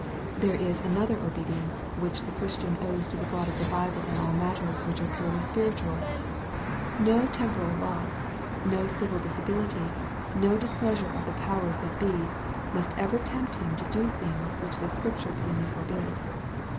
''V There is another obedience which the Chris tian owes to the God of the Bible in all matters which are purely spiritual. No temporal loss, no civil disability, no displeasure of the powers that be, must ever tempt him to do things which the Scripture plainly forbids.